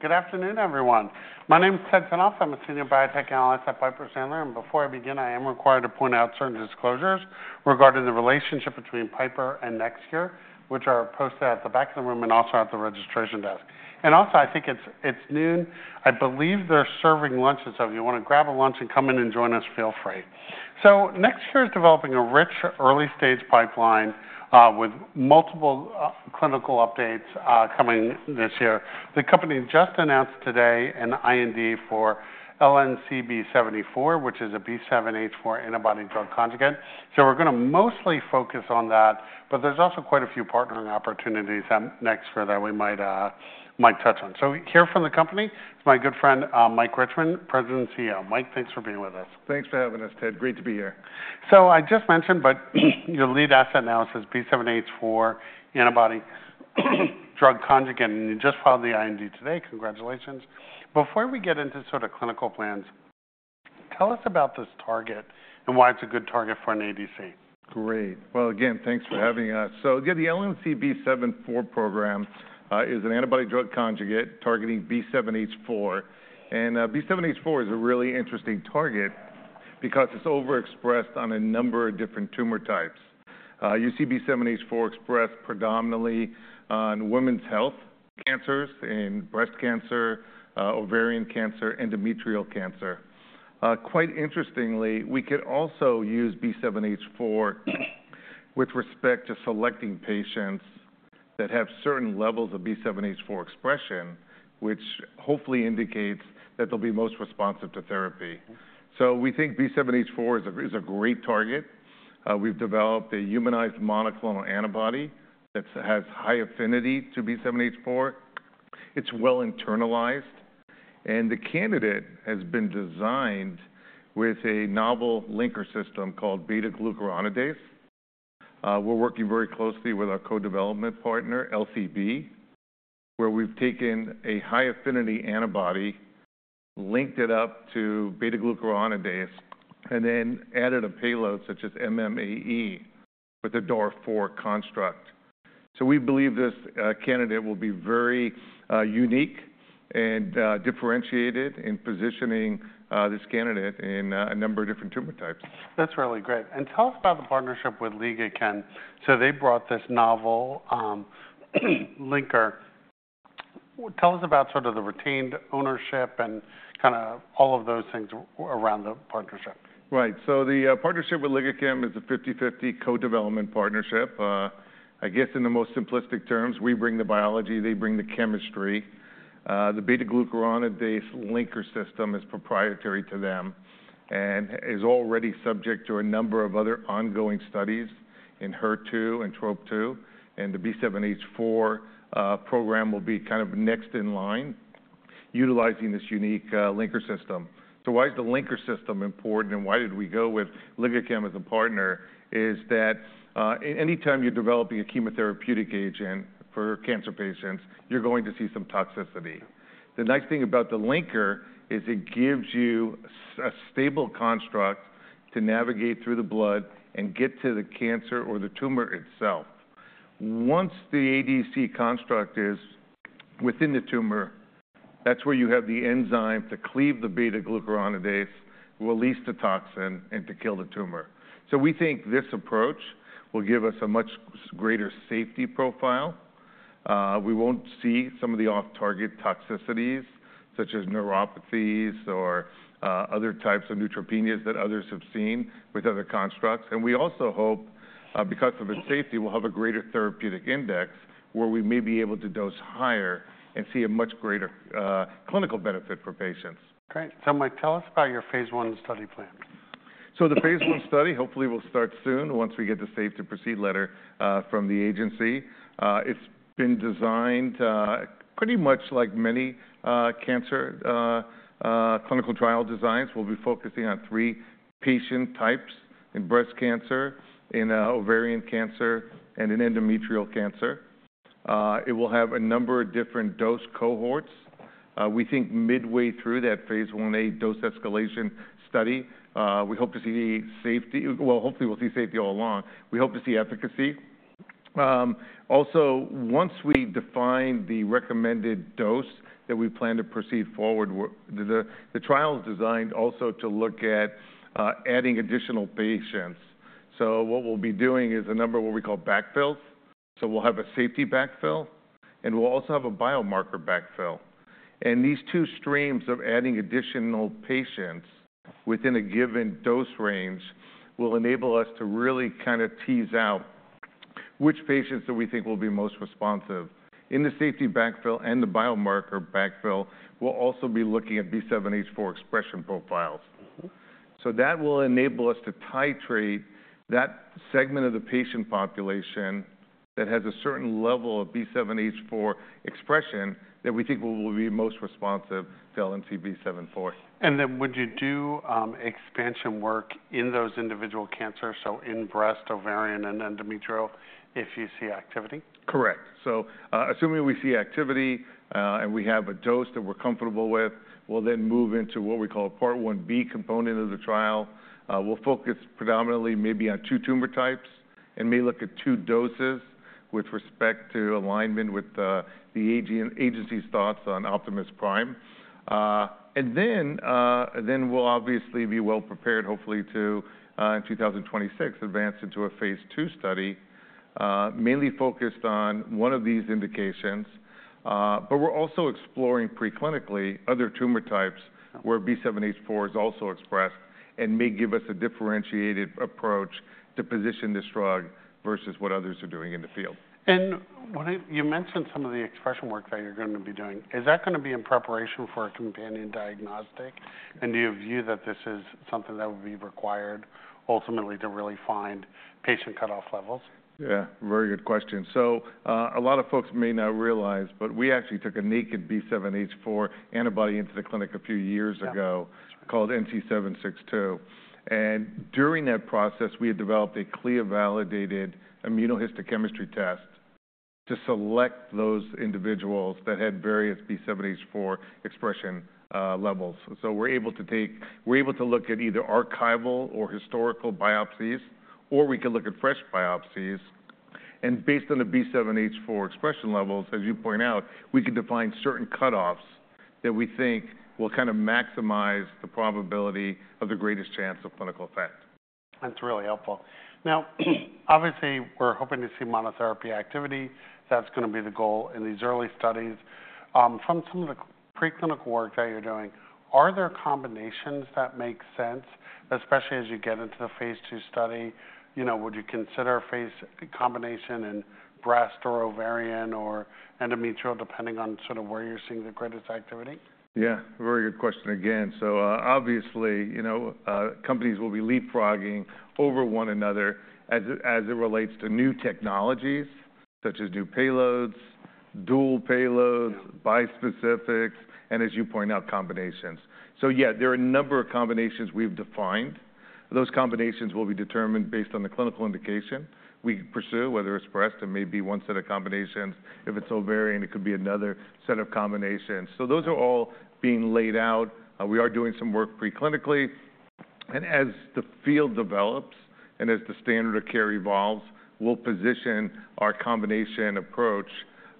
Good afternoon, everyone. My name is Ted Tenthoff. I'm a senior biotech analyst at Piper Sandler. And before I begin, I am required to point out certain disclosures regarding the relationship between Piper and NextCure, which are posted at the back of the room and also at the registration desk. And also, I think it's noon. I believe they're serving lunches, so if you want to grab a lunch and come in and join us, feel free. So NextCure is developing a rich early-stage pipeline with multiple clinical updates coming this year. The company just announced today an IND for LNCB74, which is a B7-H4 antibody-drug conjugate. So we're going to mostly focus on that, but there's also quite a few partnering opportunities at NextCure that we might touch on. So here from the company, it's my good friend Mike Richman, President and CEO. Mike, thanks for being with us. Thanks for having us, Ted. Great to be here. So I just mentioned, but your lead asset now is this B7-H4 antibody-drug conjugate, and you just filed the IND today. Congratulations. Before we get into sort of clinical plans, tell us about this target and why it's a good target for an ADC. Great. Well, again, thanks for having us. So yeah, the LNCB74 program is an antibody-drug conjugate targeting B7-H4, and B7-H4 is a really interesting target because it's overexpressed on a number of different tumor types. You see B7-H4 expressed predominantly on women's health cancers in breast cancer, ovarian cancer, endometrial cancer. Quite interestingly, we could also use B7-H4 with respect to selecting patients that have certain levels of B7-H4 expression, which hopefully indicates that they'll be most responsive to therapy. We think B7-H4 is a great target. We've developed a humanized monoclonal antibody that has high affinity to B7-H4. It's well internalized, and the candidate has been designed with a novel linker system called beta-glucuronidase. We're working very closely with our co-development partner, LCB, where we've taken a high affinity antibody, linked it up to beta-glucuronidase, and then added a payload such as MMAE with a DAR4 construct. We believe this candidate will be very unique and differentiated in positioning this candidate in a number of different tumor types. That's really great. And tell us about the partnership with Ligaken. So they brought this novel linker. Tell us about sort of the retained ownership and kind of all of those things around the partnership. Right. So the partnership with Ligaken is a 50/50 co-development partnership. I guess in the most simplistic terms, we bring the biology, they bring the chemistry. The beta-glucuronidase linker system is proprietary to them and is already subject to a number of other ongoing studies in HER2 and TROP2. And the B7-H4 program will be kind of next in line, utilizing this unique linker system. So why is the linker system important and why did we go with Ligaken as a partner? It's that anytime you're developing a chemotherapeutic agent for cancer patients, you're going to see some toxicity. The nice thing about the linker is it gives you a stable construct to navigate through the blood and get to the cancer or the tumor itself. Once the ADC construct is within the tumor, that's where you have the enzyme to cleave the beta-glucuronidase, release the toxin, and to kill the tumor, so we think this approach will give us a much greater safety profile. We won't see some of the off-target toxicities, such as neuropathies or other types of neutropenias that others have seen with other constructs, and we also hope, because of its safety, we'll have a greater therapeutic index where we may be able to dose higher and see a much greater clinical benefit for patients. Great. So Mike, tell us about your phase one study plan. The phase one study hopefully will start soon once we get the safe-to-proceed letter from the agency. It's been designed pretty much like many cancer clinical trial designs. We'll be focusing on three patient types: in breast cancer, in ovarian cancer, and in endometrial cancer. It will have a number of different dose cohorts. We think midway through that phase one dose escalation study, we hope to see safety. Hopefully we'll see safety all along. We hope to see efficacy. Also, once we define the recommended dose that we plan to proceed forward, the trial is designed also to look at adding additional patients. What we'll be doing is a number of what we call backfills. We'll have a safety backfill, and we'll also have a biomarker backfill. These two streams of adding additional patients within a given dose range will enable us to really kind of tease out which patients do we think will be most responsive. In the safety backfill and the biomarker backfill, we'll also be looking at B7-H4 expression profiles. That will enable us to titrate that segment of the patient population that has a certain level of B7-H4 expression that we think will be most responsive to LNCB74. And then would you do expansion work in those individual cancers, so in breast, ovarian, and endometrial, if you see activity? Correct. So assuming we see activity and we have a dose that we're comfortable with, we'll then move into what we call a part one B component of the trial. We'll focus predominantly maybe on two tumor types and may look at two doses with respect to alignment with the agency's thoughts on Optimus Prime. And then we'll obviously be well prepared, hopefully to, in 2026, advance into a phase two study, mainly focused on one of these indications. But we're also exploring preclinically other tumor types where B7-H4 is also expressed and may give us a differentiated approach to position this drug versus what others are doing in the field. And you mentioned some of the expression work that you're going to be doing. Is that going to be in preparation for a companion diagnostic? And do you view that this is something that will be required ultimately to really find patient cutoff levels? Yeah, very good question. So a lot of folks may not realize, but we actually took a naked B7-H4 antibody into the clinic a few years ago called NC762. And during that process, we had developed a CLIA-validated immunohistochemistry test to select those individuals that had various B7-H4 expression levels. So we're able to take, we're able to look at either archival or historical biopsies, or we can look at fresh biopsies. And based on the B7-H4 expression levels, as you point out, we can define certain cutoffs that we think will kind of maximize the probability of the greatest chance of clinical effect. That's really helpful. Now, obviously, we're hoping to see monotherapy activity. That's going to be the goal in these early studies. From some of the preclinical work that you're doing, are there combinations that make sense, especially as you get into the phase 2 study? You know, would you consider a phase combination in breast or ovarian or endometrial, depending on sort of where you're seeing the greatest activity? Yeah, very good question again. So obviously, you know, companies will be leapfrogging over one another as it relates to new technologies, such as new payloads, dual payloads, bispecifics, and as you point out, combinations. So yeah, there are a number of combinations we've defined. Those combinations will be determined based on the clinical indication we pursue, whether it's breast, it may be one set of combinations. If it's ovarian, it could be another set of combinations. So those are all being laid out. We are doing some work preclinically. And as the field develops and as the standard of care evolves, we'll position our combination approach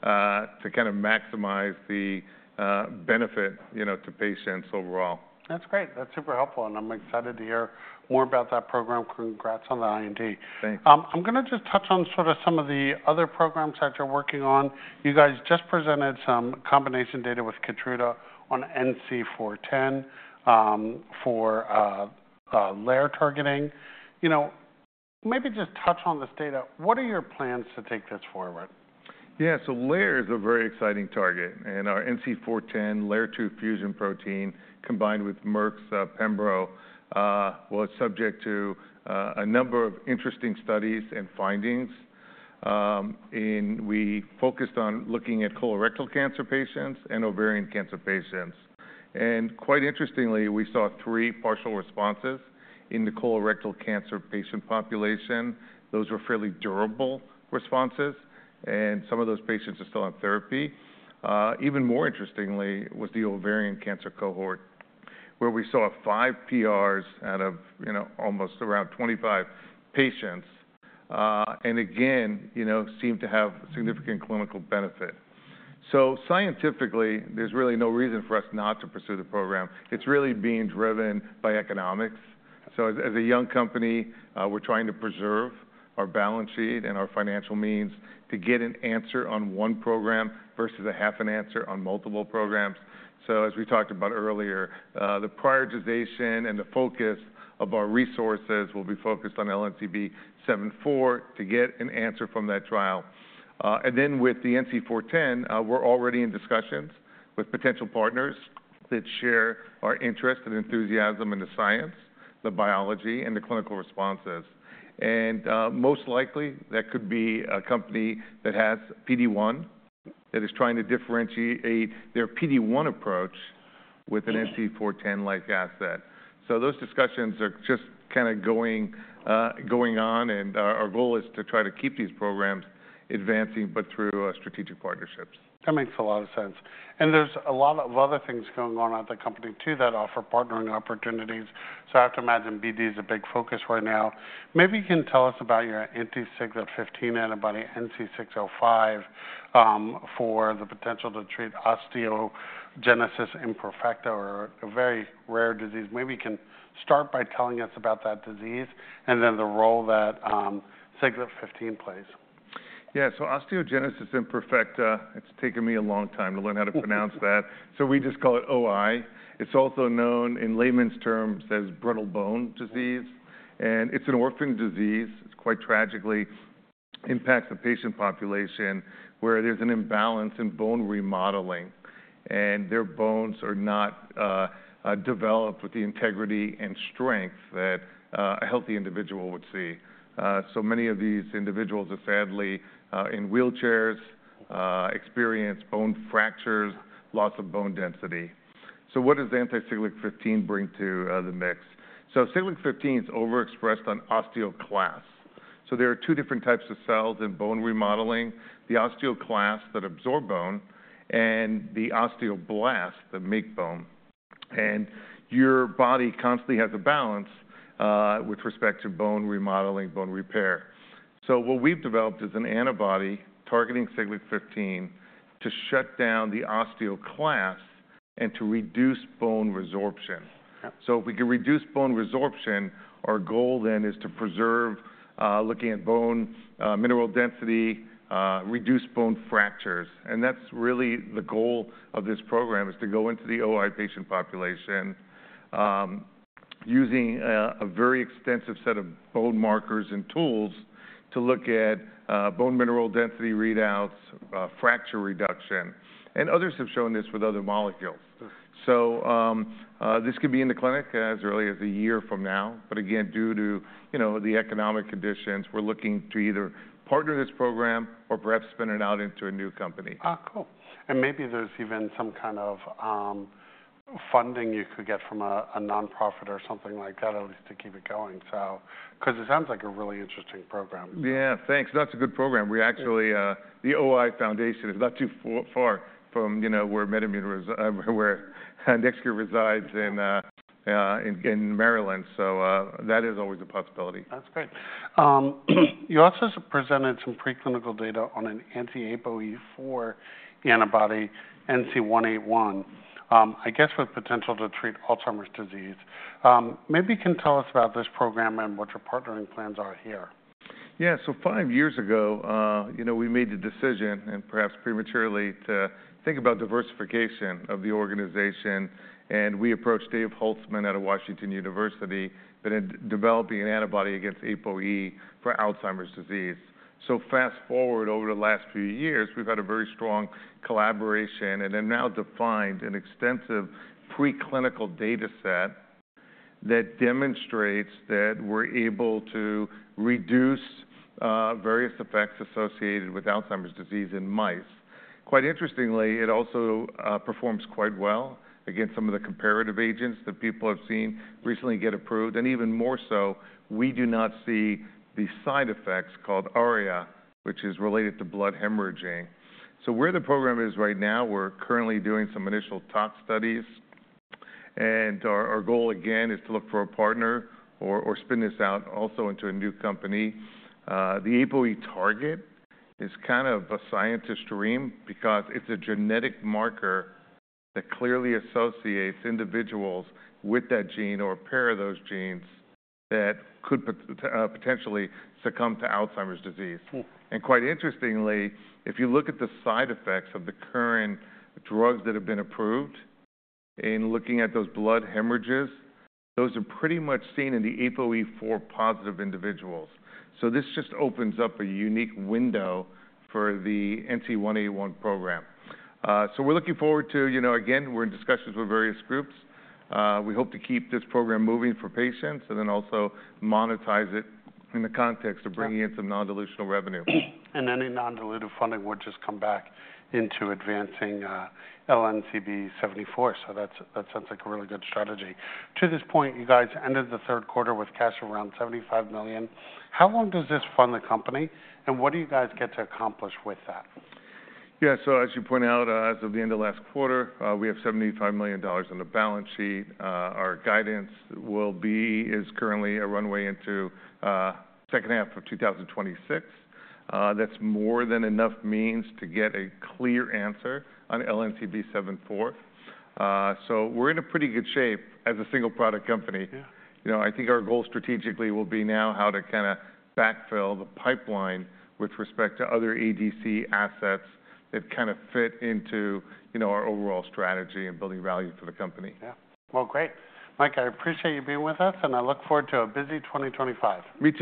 to kind of maximize the benefit, you know, to patients overall. That's great. That's super helpful. And I'm excited to hear more about that program. Congrats on the IND. Thanks. I'm going to just touch on sort of some of the other programs that you're working on. You guys just presented some combination data with Keytruda on NC410 for LAIR-1 targeting. You know, maybe just touch on this data. What are your plans to take this forward? Yeah, so LAIR-1 is a very exciting target. And our NC410 LAIR-2 fusion protein combined with Merck's Pembro was subject to a number of interesting studies and findings. And we focused on looking at colorectal cancer patients and ovarian cancer patients. And quite interestingly, we saw three partial responses in the colorectal cancer patient population. Those were fairly durable responses. And some of those patients are still on therapy. Even more interestingly was the ovarian cancer cohort, where we saw five PRs out of, you know, almost around 25 patients. And again, you know, seemed to have significant clinical benefit. So scientifically, there's really no reason for us not to pursue the program. It's really being driven by economics. So as a young company, we're trying to preserve our balance sheet and our financial means to get an answer on one program versus a half an answer on multiple programs. So as we talked about earlier, the prioritization and the focus of our resources will be focused on LNCB74 to get an answer from that trial. And then with the NC410, we're already in discussions with potential partners that share our interest and enthusiasm in the science, the biology, and the clinical responses. And most likely, that could be a company that has PD1 that is trying to differentiate their PD1 approach with an NC410-like asset. So those discussions are just kind of going on, and our goal is to try to keep these programs advancing, but through strategic partnerships. That makes a lot of sense. And there's a lot of other things going on at the company too that offer partnering opportunities. So I have to imagine BD is a big focus right now. Maybe you can tell us about your anti-Siglec-15 antibody NC605 for the potential to treat osteogenesis imperfecta, or a very rare disease. Maybe you can start by telling us about that disease and then the role that Siglec-15 plays. Yeah, so osteogenesis imperfecta, it's taken me a long time to learn how to pronounce that. So we just call it OI. It's also known in layman's terms as brittle bone disease. And it's an orphan disease. It's quite tragically impacts the patient population where there's an imbalance in bone remodeling. And their bones are not developed with the integrity and strength that a healthy individual would see. So many of these individuals are sadly in wheelchairs, experience bone fractures, loss of bone density. So what does anti-Siglec-15 bring to the mix? So Siglec-15 is overexpressed on osteoclasts. So there are two different types of cells in bone remodeling: the osteoclasts that absorb bone and the osteoblasts that make bone. And your body constantly has a balance with respect to bone remodeling, bone repair. So what we've developed is an antibody targeting Siglec-15 to shut down the osteoclasts and to reduce bone resorption. So if we can reduce bone resorption, our goal then is to preserve looking at bone mineral density, reduce bone fractures. And that's really the goal of this program is to go into the OI patient population using a very extensive set of bone markers and tools to look at bone mineral density readouts, fracture reduction. And others have shown this with other molecules. So this could be in the clinic as early as a year from now. But again, due to, you know, the economic conditions, we're looking to either partner this program or perhaps spin it out into a new company. Cool. And maybe there's even some kind of funding you could get from a nonprofit or something like that, at least to keep it going. So because it sounds like a really interesting program. Yeah, thanks. That's a good program. We actually, the OI Foundation is not too far from, you know, where NextCure resides in Maryland. So that is always a possibility. That's great. You also presented some preclinical data on an anti-ApoE4 antibody, NC181, I guess with potential to treat Alzheimer's disease. Maybe you can tell us about this program and what your partnering plans are here. Yeah, so five years ago, you know, we made the decision, and perhaps prematurely, to think about diversification of the organization. And we approached Dave Holtzman out of Washington University that had been developing an antibody against APOE for Alzheimer's disease. So fast forward over the last few years, we've had a very strong collaboration and have now defined an extensive preclinical data set that demonstrates that we're able to reduce various effects associated with Alzheimer's disease in mice. Quite interestingly, it also performs quite well against some of the comparative agents that people have seen recently get approved. And even more so, we do not see the side effects called ARIA, which is related to blood hemorrhaging. So where the program is right now, we're currently doing some initial tox studies. Our goal again is to look for a partner or spin this out also into a new company. The ApoE target is kind of a scientist's dream because it's a genetic marker that clearly associates individuals with that gene or a pair of those genes that could potentially succumb to Alzheimer's disease. Quite interestingly, if you look at the side effects of the current drugs that have been approved in looking at those blood hemorrhages, those are pretty much seen in the ApoE4 positive individuals. This just opens up a unique window for the NC181 program. We're looking forward to, you know, again, we're in discussions with various groups. We hope to keep this program moving for patients and then also monetize it in the context of bringing in some non-dilutional revenue. And then in non-dilutive funding, we'll just come back into advancing LNCB74. So that sounds like a really good strategy. To this point, you guys ended the third quarter with cash of around $75 million. How long does this fund the company? And what do you guys get to accomplish with that? Yeah, so as you point out, as of the end of last quarter, we have $75 million on the balance sheet. Our guidance is currently a runway into the second half of 2026. That's more than enough means to get a clear answer on LNCB74. So we're in a pretty good shape as a single product company. You know, I think our goal strategically will be now how to kind of backfill the pipeline with respect to other ADC assets that kind of fit into, you know, our overall strategy and building value for the company. Yeah. Well, great. Mike, I appreciate you being with us, and I look forward to a busy 2025. Me too.